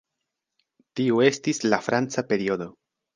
Tiu estis la "franca periodo".